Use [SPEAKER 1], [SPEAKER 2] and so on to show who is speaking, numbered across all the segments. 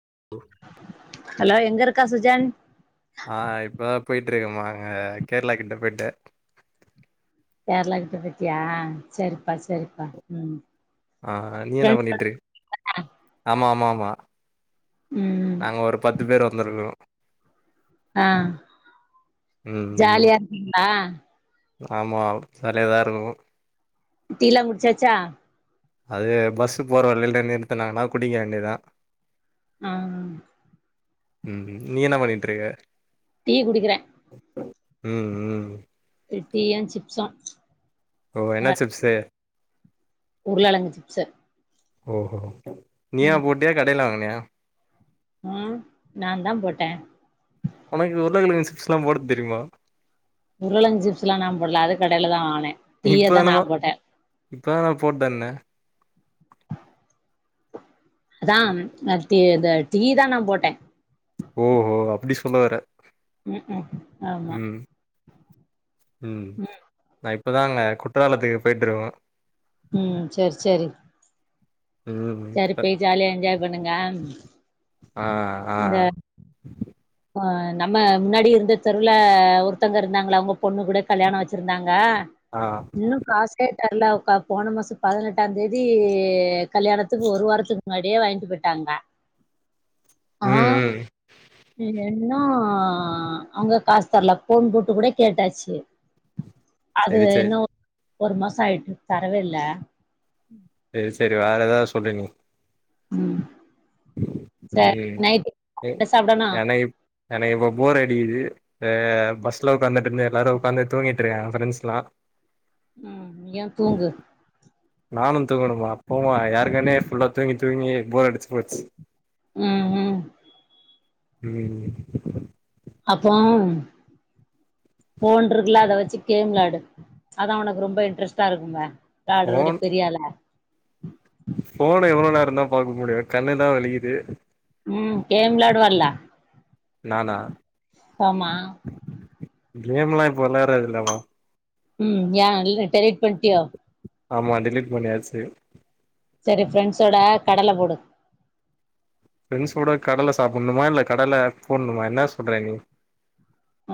[SPEAKER 1] [inaudible]
[SPEAKER 2] Hello எங்கருக்கா சுஜன்
[SPEAKER 1] ஆ இப்ப தா போய் இருக்குமா அங்க கேரளா கிட்ட போய்ட்டு
[SPEAKER 2] கேரளா கிட்ட போய்டியா சரிப்பா சரிப்பா ம்
[SPEAKER 1] ஆ ஆ நீ என்ன
[SPEAKER 2] ஃப்ரெண்ட்ஸ்
[SPEAKER 1] பண்ணிட்டுருக் ஆமா ஆமா ஆமா
[SPEAKER 2] ம்
[SPEAKER 1] நாங்க ஒரு பத்து பேரு வந்துருக்குறோ
[SPEAKER 2] ஆ
[SPEAKER 1] ம்.
[SPEAKER 2] ஜாலியா இருக்கீங்களா
[SPEAKER 1] ஆமா ஜாலியா தா இருக்கோ
[SPEAKER 2] டீலா குடிச்சாச்சா
[SPEAKER 1] அது பஸ் போற வழியில நிறுத்தனாங்கன்னா குடிக்க வேண்டியதா
[SPEAKER 2] ஆ
[SPEAKER 1] ம் நீ என்ன பண்ணி [unintelligible]
[SPEAKER 2] டீ குடிக்கிறே
[SPEAKER 1] ம் ம்
[SPEAKER 2] ட்டீயு சிப்ஸ்ஸா
[SPEAKER 1] ஓ என்ன
[SPEAKER 2] ஆ
[SPEAKER 1] சிப்ஸு?
[SPEAKER 2] உருளக்கெழங்குச் சிப்ஸ்ஸு
[SPEAKER 1] ஓ கோ ஓ நீயா போட்டியா கடையில வாங் ஏ
[SPEAKER 2] உம் நான் தான் போட்டேன்
[SPEAKER 1] உனக்கு உருளகிழங்கு சிப்ஸ் எல்லா போட தெரியுமா
[SPEAKER 2] உருளங்கு சிப்ஸ் எல்லா நான் போடல அது கடையில தான் வாங்குனேன் நா டீயா தான்
[SPEAKER 1] இப்பதானம்மா
[SPEAKER 2] நான் போட்டேன்
[SPEAKER 1] இப்பதான போட்டு தந்தேன்.
[SPEAKER 2] அதான் இந்த இத டீ தான் நான் போட்டேன்
[SPEAKER 1] ஓஹோ அப்படி சொல்ல வர
[SPEAKER 2] உம் உம் ஆமா
[SPEAKER 1] உம்
[SPEAKER 2] ம்
[SPEAKER 1] நா இப் இப்பதாங்க குற்றாலத்துக்கு போயிட்டு இருக்கோம்
[SPEAKER 2] உம் சேரி சேரி
[SPEAKER 1] ம்.
[SPEAKER 2] சேரி போய் ஜாலியா என்ஜாய் பண்ணுங்க
[SPEAKER 1] ஆ ஆ
[SPEAKER 2] இந்த ஆ நம்ம முன்னாடி இருந்த தெருல ஒருத்தவங்க இருந்தாங்கள அவங்க பொண்ணு கூட கல்யாணம் வச்சிருந்தாங்க
[SPEAKER 1] ஆ.
[SPEAKER 2] இன்னும் காஸ்கே தரல அவங் இப்ப போன மாசம் பதினெட்டாம் தேதி கல்யாணத்துக்கு ஒரு வாரத்துக்கு முன்னாடியே வாங்கிட்டு பொயிட்டாங்க
[SPEAKER 1] ம்
[SPEAKER 2] ஆஹ்
[SPEAKER 1] ம்
[SPEAKER 2] ஈங்க இன்னு அவங்க காசு தர்ல ஃபோன் போட்டு கூட கேட்டாச்சு அது
[SPEAKER 1] சரி சரி
[SPEAKER 2] என்னோவ் ஒரு மாசொ ஆயிட்டு தரவே இல்ல
[SPEAKER 1] சரி சரி வேற எதாவது சொல்றீங்களா
[SPEAKER 2] உம்
[SPEAKER 1] உம் எ
[SPEAKER 2] என்ன சாப்டனு
[SPEAKER 1] எனக் எனக்கு இப்ப போரடிக்குது த பஸ்ல உக்காந்துட்டு இருந்து எல்லாரு உக்காந்து தூங்கிட்டிருக்காங்க ஃப்ரெண்ட்ஸ்லா
[SPEAKER 2] உம் ஏன் தூங்கு
[SPEAKER 1] நானு தூங்கணுமா போமா ஏற்கனவே ஃபுல்லா தூங்கி தூங்கி போர் அடிச் போச்சு
[SPEAKER 2] உம் உம்
[SPEAKER 1] உம்
[SPEAKER 2] அப்போ ஃபோன்றுக்குல அத வச்சு கேம் விளையாடு அதா உனக்கு ரொம்ப இன்ட்ரெஸ்டா இருக்குமே யாடுறதுல
[SPEAKER 1] ஃபோன்
[SPEAKER 2] பெரிய ஆள உஹ [inaudible]
[SPEAKER 1] ஃபோன எவ்வளோ நேரந்தா பாக்க முடியு கண்ணுலா வலிக்குது
[SPEAKER 2] உம் கேம் விளையாடுவ இல்ல
[SPEAKER 1] நானா
[SPEAKER 2] ஆமா
[SPEAKER 1] கேம் லாம் இப்போ விளையாடுறது இல்லமா
[SPEAKER 2] உம் ஏன் இல்ல டெலீட் பண்டியோ
[SPEAKER 1] ஆமா டெலீட் பண்ணியாச்சு
[SPEAKER 2] சரி ஃப்ரெண்ட்ஸோட கடல போடு
[SPEAKER 1] ஃப்ரெண்ட்ஸோட கடல சாப்புன்ணுமா இல்ல கடல போட்ணுமா என்ன சொல்ற நீ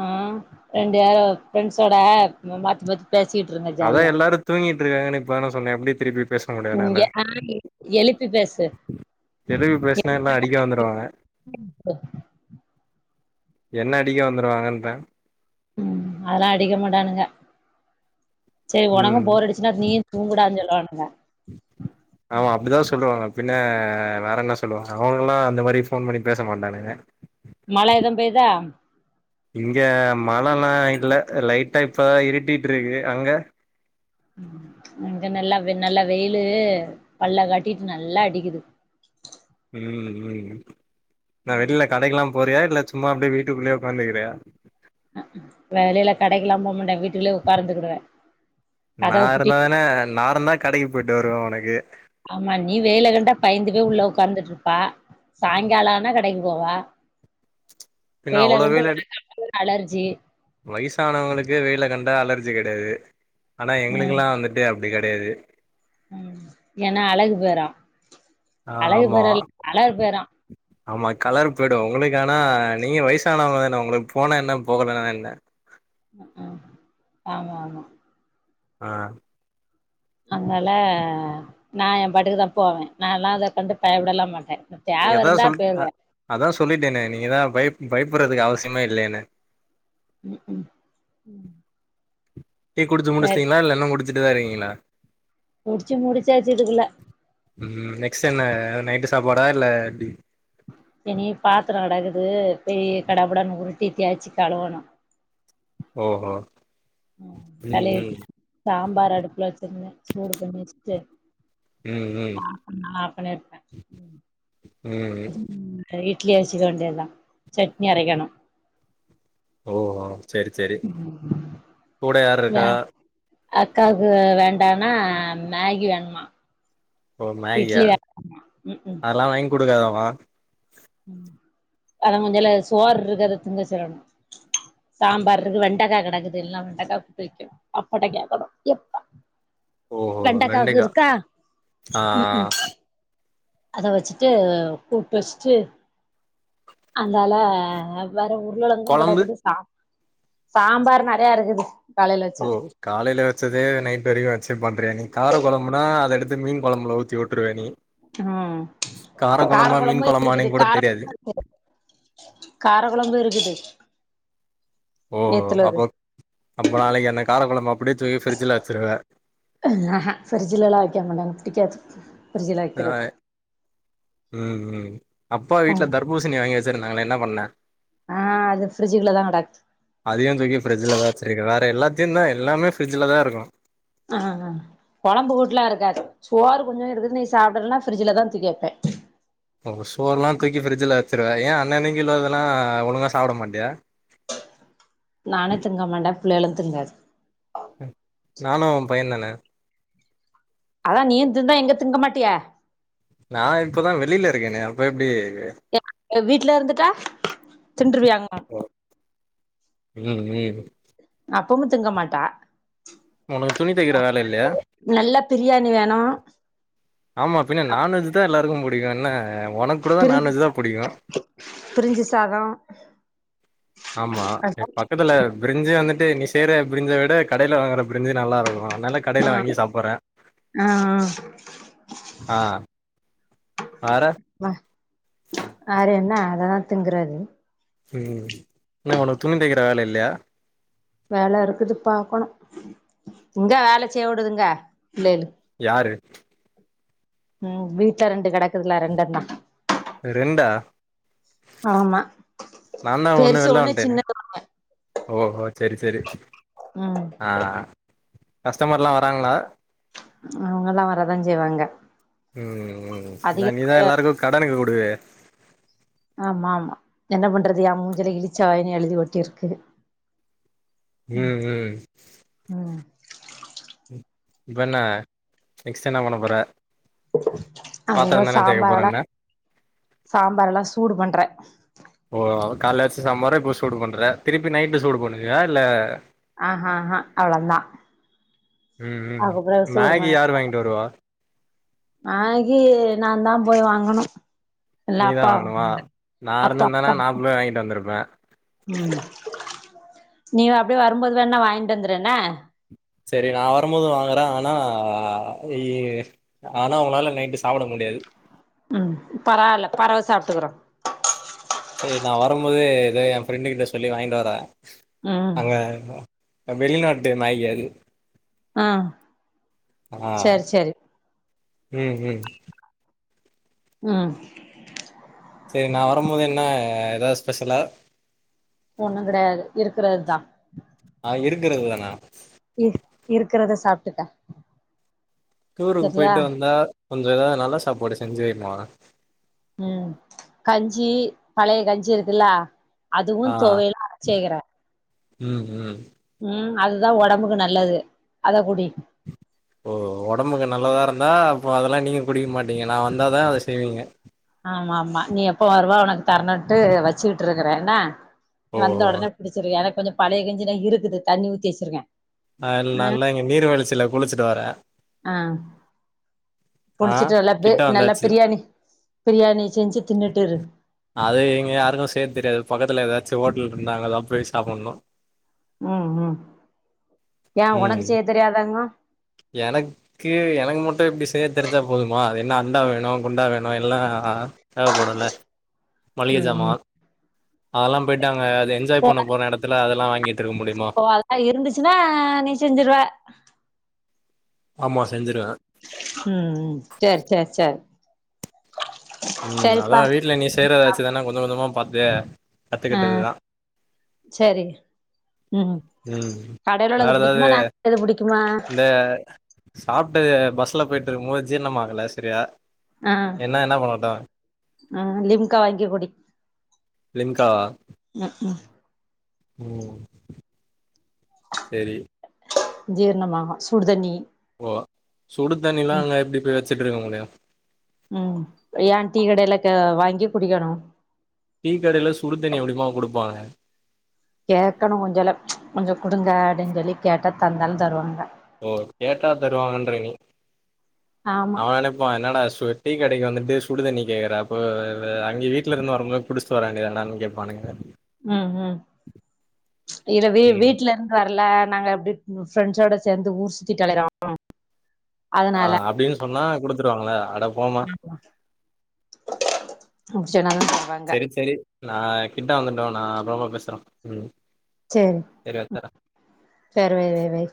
[SPEAKER 2] ஆ [unintelligible] ஃப்ரெண்ட்ஸோட [unintelligible] இருங்க
[SPEAKER 1] அதா
[SPEAKER 2] ஜாலியா
[SPEAKER 1] எல்லாரு தூங்கிட்ருகாங்களே இப்பதான சொன்னே எப்டி திருப்பி பேச முடியு
[SPEAKER 2] உம்
[SPEAKER 1] நானு
[SPEAKER 2] ஆ எழுப்பி பேசு [inaudible]
[SPEAKER 1] தெலுங்கு பேசுனா எல்லா அடிக்க வந்துருவாங்க என்ன அடிக்க வந்துருவாங்கன்றெ
[SPEAKER 2] உம் அதெல்லா அடிக்க மாட்டானுங்க சே
[SPEAKER 1] ம்
[SPEAKER 2] ஒனக்கும் போறடுச்சுனா நீயு தூங்குடான் சொல்றானுங்க
[SPEAKER 1] ஆமா அப்டிதா சொல்லுவாங்க பின்ன வேறென்ன சொல்லுவாங்க அவனுகல்லா அந்த மாரி ஃபோன் பண்ணி பேச மாட்டானுக
[SPEAKER 2] மழ எதும் பெய்தா
[SPEAKER 1] இங்க மழல்லா இல்ல லைட்டா இப்பதா இருட்டிட்ருகு அங்க
[SPEAKER 2] அங்க நல்லா வெ நல்லா வெயிலு பல்ல காட்டிட்டு நல்லா அடிக்குது
[SPEAKER 1] உம் உம் நா வெள்ல கடைக்குலாம் போறியா இல்ல சும்மா அப்டே வீட்டுக்குள்ளே உக்காந்துக்கிறியா
[SPEAKER 2] அ இல்லல்ல கடைக்குலா போக மாட்டே வீட்டுகுல்லயே உக்கார்ந்துகுடுவே
[SPEAKER 1] நா இருந்தா என நா இருந்தா கடக்கி போயிட்டு வருவே ஒனக்கு
[SPEAKER 2] ஆமா நீ வெயில கண்டா பயந்து போய் உள்ள ஒக்காந்துட்ருப்பா சாய்ங்கால ஆனா கடைக்கி போவா
[SPEAKER 1] பின்ன
[SPEAKER 2] வேல
[SPEAKER 1] அவ்ளோ
[SPEAKER 2] கண்டு
[SPEAKER 1] வெயில் அடி
[SPEAKER 2] உனக்காப்பு அலர்ஜி
[SPEAKER 1] வயசானவங்களுக்கு வெயில கண்டா அலர்ஜி கெடையாது ஆனா எங்ளுக்லா வந்துட்டு அப்டி அப்டி கெடையாது
[SPEAKER 2] உஹம் ஏன்னா அழகு போய்று
[SPEAKER 1] ஆஹ் ஆமா
[SPEAKER 2] பேரா
[SPEAKER 1] ஆமா கலர் போய்டு உங்களுக்கு ஆனா நீங்க வயசானவங்க தான உங்குளுக்கு போனா என்ன போகலா என்ன
[SPEAKER 2] ஆஹ் ஆமா ஆமா
[SPEAKER 1] ஆஹ்
[SPEAKER 2] அதனால நா ஏ பாட்டுக்குதா போவே நால்லா அத கண்டு பயபடலா மாட்ட
[SPEAKER 1] நீங்கதா சொல்ட் அ அதா சொல்லிட்டேனே நீங்கதா பய பயப்பற்றதுக்கு அவசியமே இல்லேயேனு
[SPEAKER 2] ம் ம்
[SPEAKER 1] டீ குடிச்சி
[SPEAKER 2] சரி
[SPEAKER 1] முடிச்சிட்டீங்களா இல்ல இன்னு குடிக் [unintelligible] இருக்கீங்களா
[SPEAKER 2] முடிச்சு முடிச்சாச்சு இதுக்குள்ள
[SPEAKER 1] ம் நெக்ஸ்ட் என்ன நைட்டு சாப்பாடா இல்ல எப்டி
[SPEAKER 2] எனி பாத்ரம் கடக்குது பேய் கடபுடான்னு உருட்டி தேச்சி கழுவனும்
[SPEAKER 1] ஓஹோ
[SPEAKER 2] உம்
[SPEAKER 1] ம் ம்
[SPEAKER 2] கழுவிட்டு சாம்பார் அடுப்புல வெச்சிருந்தன் சூடு பன்னி வெச்சுட்டு
[SPEAKER 1] ம் ம்
[SPEAKER 2] ஆ [unintelligible]
[SPEAKER 1] உம்
[SPEAKER 2] இட்லி அர்ச்சு கொண்டதா சட்னி அரைக்கணும்
[SPEAKER 1] ஓஹோ செரி செரி கூட யார்
[SPEAKER 2] வே
[SPEAKER 1] இருக்கா
[SPEAKER 2] அக்காவுக்கு வேண்டானா மேகி வேணுமா
[SPEAKER 1] ஓ
[SPEAKER 2] இட்லி வேன்டாமா உக்ஹூம்
[SPEAKER 1] குடுக்காதவா குட்
[SPEAKER 2] ம் அதான் கொஞ்சமல சோர் இருக்கு அத திங்கச்சொல்லணு சாம்பார் இருக்கு வெண்டைக்கா கடக்குது எல்லாம் வெண்டக்காய் குட்டு வைக்கணும் அப்படைக்கு அப்பட எப்பா
[SPEAKER 1] ஓஹோ
[SPEAKER 2] வெண்டக்காவுக்கு
[SPEAKER 1] வெண்டகா
[SPEAKER 2] இருக்கா ம் ம்
[SPEAKER 1] ஆஹ்ஹ்
[SPEAKER 2] அத வச்சுட்டு கூட்டு வச்ட்டு அந்தால வேற உருழங்கும்
[SPEAKER 1] கொழம்பு
[SPEAKER 2] கெடக்குது சாப் சாம்பார் நெறைய இருக்குது காலைல
[SPEAKER 1] ஓ
[SPEAKER 2] வச்சது
[SPEAKER 1] காலயில வச்சதே நைட் வரைக்கும் வச்சு பண்றிய நீ கார குழம்புனா அத எடுத்து மீன் கொழம்புல ஊதியூட்டருவ நீ
[SPEAKER 2] ம் கார
[SPEAKER 1] கொழம்பா மீன்
[SPEAKER 2] கொழம்பு
[SPEAKER 1] கொழம்பானே
[SPEAKER 2] இருக்குது
[SPEAKER 1] கூட
[SPEAKER 2] கார
[SPEAKER 1] தெரியாது
[SPEAKER 2] இருக்கு கார கொழம்பு இருக்குது
[SPEAKER 1] ஒஒ
[SPEAKER 2] நேத்துள்ளது
[SPEAKER 1] அப்போ அப்ப நாளைக்கு அந்த கார கொழம்ப அப்டியே தூக்கி ஃபிரிட்ஜ்ல வச்சிருவ
[SPEAKER 2] [inaudible] ஃபிரிஜ்ல வைக்கிறது
[SPEAKER 1] உம் அப்பா வீட்டுல தர்பூசணி வாங்கி வச் செரி நாங்களா என்ன பண்ணேன்
[SPEAKER 2] ஆ அது ஃப்ரிட்ஜுக்குள்ள தா கெடக்கு
[SPEAKER 1] அதையும் தூக்கி ஃபிரிட்ஜ்லதா வச்சிருக்கே வேற எல்லாத் தென்ன எல்லாமே ஃபிரிஜ்ல தா இருக்கும்
[SPEAKER 2] ஆ ஹ கொழம்பு கூட்டுலா இருக்காது சோறு கொஞ்சோ இருக்குது நீ சாப்டலன்னா ஃப்ரிஜ்லதா தூக்கி வப்பே
[SPEAKER 1] ஓ சோர் எல்லாம் தூக்கி ஃபிரிஜ்ல வச்சிருவே ஏன் அன்னனைக்கு உள்ளதெல்லா ஒழுங்கா சாப்ட மாட்டியா
[SPEAKER 2] நானே திங்கமட்ட பிள்ளேலு திங்காது
[SPEAKER 1] நானும் உன் பையன் தான
[SPEAKER 2] அதா நீதிருந்தா எங்க திங்க மாட்டிய
[SPEAKER 1] நா இப்பதா வெளில இருக்கேனே அப்ப எப்டி
[SPEAKER 2] வீட்டுல இருந்துட்டா தின்டுருவியாங்கு
[SPEAKER 1] ம் ம்
[SPEAKER 2] அப்பமு திங்க மாட்டா
[SPEAKER 1] உனக்கு துணி தைக்கிற வேலை இல்லையா
[SPEAKER 2] நல்லா பிரியாணி வேண்
[SPEAKER 1] ஆமா பின்ன நான்வெஜ் தா எல்லாருக்கு புடி ன்ன உனக்கு கூட தா
[SPEAKER 2] பிரி
[SPEAKER 1] நான்வெஜ் தா புடிக்கு
[SPEAKER 2] பிரிஞ்சு சாதம்
[SPEAKER 1] ஆமா பக்கத்துல பிரிஞ்சு வந்துட்டு நீ செற பிரிஞ்ச விட கடைல வாங்கற ப்ரிஞ்சு
[SPEAKER 2] ஆஹ் ஆஹ்
[SPEAKER 1] ஆ
[SPEAKER 2] ஆஹ்
[SPEAKER 1] வேற
[SPEAKER 2] வே வேற என்ன அத திங்கறது
[SPEAKER 1] உம் என்ன உனக்கு துணி தைக்கிற வேல இல்லியா
[SPEAKER 2] வேல இருக்குது பாக்கணு எங்க வேல செய்வுடுதுங்க
[SPEAKER 1] யாரு
[SPEAKER 2] உம் வீட்ல ரெண்டு கிடக்குதுல ரெண்டன்ன
[SPEAKER 1] ரெண்டா
[SPEAKER 2] ஆமா
[SPEAKER 1] நாந்தா ஒன்னு
[SPEAKER 2] பெருசு
[SPEAKER 1] வெல்ல
[SPEAKER 2] ஒண்ணு
[SPEAKER 1] வண்டனே
[SPEAKER 2] சின்னது ஒண்ணு
[SPEAKER 1] ஓஹோ செரி செரி
[SPEAKER 2] ம்
[SPEAKER 1] ஆஹ் கஸ்டமர்ல்லா வராங்களா
[SPEAKER 2] அவங்கல்லா வரதா செய்வாங்க
[SPEAKER 1] உம் ம்
[SPEAKER 2] அதிக
[SPEAKER 1] ஏன்னா நீதா எல்லாருக்கு கடனுக்கு குடு [unintelligible]
[SPEAKER 2] ஆமா ஆமா என்ன பண்றது ஏ மூஞ்சில இழிச்ச வாயினு எழுதி ஓட்டிருக்கு
[SPEAKER 1] உம் உம்
[SPEAKER 2] ம்
[SPEAKER 1] பண்ண நெக்ஸ்ட் என்ன பண்ணப் போற
[SPEAKER 2] அதா
[SPEAKER 1] பாத்தரந்தான தேக்க
[SPEAKER 2] சாம்பார்
[SPEAKER 1] போற
[SPEAKER 2] எல்லா
[SPEAKER 1] என்ன
[SPEAKER 2] சாம்பார் எல்லா சூடு பண் ட்ற
[SPEAKER 1] ஓ கால வெச்ச சாம்பார இப்போ சூடு பண்ற திருப்பி நைட் சூடு பண்ணுவியா இல்ல
[SPEAKER 2] ஆஹ்ஹஹா அவ்ளந்தா
[SPEAKER 1] ம் உம்
[SPEAKER 2] அதுக்கப்றோ
[SPEAKER 1] மேகி யார் வாங்கிட்டு வருவா
[SPEAKER 2] நாளைக்கு நான் தான் போய் வாங்கனும்
[SPEAKER 1] நீதான் வாங்கனுமா நான் இருந்து இருந்தானா
[SPEAKER 2] அப்பா
[SPEAKER 1] நாற்பள்ள வாங்கிட்டு வந்திருப்பேன்
[SPEAKER 2] ம் நீ அப்படியே வரும்போது வேண வாங்கிட்டு வந்துறன என்ன
[SPEAKER 1] செரி நான் வரும்போது வாங்குறேன் ஆனா ஆனா உன்னால நைட்டு சாப்பிட முடியாது
[SPEAKER 2] உம் பரவாயில்ல பறவு சாப்பிட்டுக்கறோம்
[SPEAKER 1] சரி நான் வரும்போது ஏதோ என் ஃப்ரெண்டு கிட்ட சொல்லி வாங்கிட்டு வரேன்
[SPEAKER 2] ம்
[SPEAKER 1] அங்க வெளிநாட்டு நாய்க அது
[SPEAKER 2] ஆஹ் சேர் சேரி
[SPEAKER 1] உம் உம்
[SPEAKER 2] உம்
[SPEAKER 1] சேரி நான் வரும்போது என்ன ஏதாவது ஸ்பெஷலா
[SPEAKER 2] ஒண்ணு கெடையாது இருக்கறது தான்
[SPEAKER 1] ஆ இருக்கிறது தானா
[SPEAKER 2] இ இருக்கிறத சாப்டுக்க
[SPEAKER 1] டூருக்கு போயிட்டு வந்தா கொஞ்சம் ஏதாவது நல்லா சாப்பாடு செஞ்சு வைமா
[SPEAKER 2] உம் கஞ்சி பழைய கஞ்சி இருக்குல்லா அதுவும் துவையலும் அரைச்சி வெக்கிறேன்
[SPEAKER 1] உம் உம்
[SPEAKER 2] உம் அதுதான் உடம்புக்கு நல்லது அத குடி
[SPEAKER 1] ஓ உடம்புக்கு நல்லதா இருந்தா அப்போ அதெல்லா நீங்க குடிக்க மாட்டீங்க நான் வந்தாதான் அத செய்வீங்க
[SPEAKER 2] ஆமா ஆமா நீ எப்ப வருவா உனக்கு தரணுட்டு வச்சுக்கிட்டு இருக்கறே என்ன நீ வந்த
[SPEAKER 1] ஓஹோ
[SPEAKER 2] உடனே புடுச்சுரு எனக்கு கொஞ்சோ பழைய கஞ்சின இருக்குது தண்ணி ஊத்தி வச்சிருக்கேன்
[SPEAKER 1] ஆஹ் நா நல்லா இங்க நீர்வளச்சில குளிச்சுட்டு வரே
[SPEAKER 2] ஆஹ்
[SPEAKER 1] ஆஹ் கிட்ட வந்தாச்சு
[SPEAKER 2] பிரியாணி செஞ்சு தின்னுட்டு இரு
[SPEAKER 1] அது எங்க யாருக்கும் செய்ய தெரியாது பக்கத்துல ஏதாச்சு ஓட் டல் இருந்தா அங்கதான் போய் சாப்படணும்
[SPEAKER 2] உம் உம் ஏன்
[SPEAKER 1] ம்
[SPEAKER 2] ஒனக்கு செய்ய தெரியாதாங்கு
[SPEAKER 1] எனக்கு எனக்கு மட்டு இப்டி செய்ய தெரிஞ்சா போதுமா அது என்ன அண்டா வேணும் குண்டா வேணும் எல்லா தேவப்படும் இல்ல
[SPEAKER 2] ம் ம்
[SPEAKER 1] மளிகஜாமான் அதெல்லா போயிட்டு அங்க அது என்ஜாய்
[SPEAKER 2] ஓ
[SPEAKER 1] பண்ண போன எடத்தல ல்ல அதெல்லா வாங்கி
[SPEAKER 2] ஓ அதுலா இருந்துச்சுன்னா நீ செஞ்சிருவ
[SPEAKER 1] ஆமா செஞ்சிருவேன்
[SPEAKER 2] உம் உம் செரி செரி செரி
[SPEAKER 1] உம் அதா வீட்ல நீ செய்யறத வெச்சு தானா கொஞ்ச கொஞ்சமா பாத்து
[SPEAKER 2] அ
[SPEAKER 1] கத்துக்கிட்டதுதா
[SPEAKER 2] சரி உம்
[SPEAKER 1] உம் வேற எதாவ்து
[SPEAKER 2] புடிக்குமா
[SPEAKER 1] இந்த சாப் ஆப்ட்டது பஸ்ல போயிட்ருக்கும் போது ஜீர்ணமாகல செரியா
[SPEAKER 2] அ அ லிம்கா வாங்கி குடி
[SPEAKER 1] லிம்காவா
[SPEAKER 2] ம் ஹூ
[SPEAKER 1] ம் செரி
[SPEAKER 2] ஜீர்ணமாகு சுடுதண்ணி
[SPEAKER 1] ப சுடுதண்ணில்லா
[SPEAKER 2] ம்
[SPEAKER 1] அங்க எப்டி போய் வெ ச்சிட்ருக்க முடியு
[SPEAKER 2] ம் ஏ டீ கடையிலக்க வாங்கி குடிக்கணு
[SPEAKER 1] டீ கடையில சுடுதண்ணி எப்டிமா குடுப்பாங்க
[SPEAKER 2] கேக்கணு கொஞ்சல்லா கொஞ்சொ குடுங்க அப்டின் சொல்லி கேட்டா தந்தாலு தருவாங்க
[SPEAKER 1] ஓ கேட்டா தருவாங்கன்ற நீ
[SPEAKER 2] ஆமா
[SPEAKER 1] அவ நெனப்பா என்னடா சு டீ கடைக்கு வந்துட்டு சுடு தண்ணி கேக்கற அப்போ வ வ வ அங்கி வீட்லருந்து வரும்போதே புடிச்ட்டு வர வேண்டிதானடான் கேப்பானுங்க
[SPEAKER 2] ம் ம் இல வீ
[SPEAKER 1] ம்
[SPEAKER 2] வீட்லருந்து வர்ல நாங்க அப்டி ம் ஃப்ரெண்சோட சேந்து ஊர்சுத்திட்டு அளைறோ
[SPEAKER 1] ஆஹ் அப்டின்னு சொன்னா குடுத்துருவாங்களே அட போமா
[SPEAKER 2] ஆமா முடிச்சோனதா தருவாங்க
[SPEAKER 1] செரி செரி நா கிட்ட வந்துட்டோ நா அப்றமா பேசுற ம்
[SPEAKER 2] சரி
[SPEAKER 1] செரி வச்சர்றே
[SPEAKER 2] சரி வை வை வை